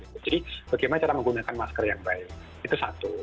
jadi bagaimana cara menggunakan masker yang baik itu satu